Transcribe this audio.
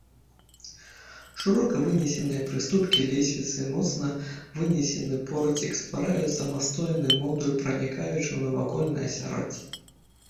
Шырока вынесеныя прыступкі лесвіцы, моцна вынесены порцік ствараюць самастойны модуль, пранікаючы ў навакольнае асяроддзе.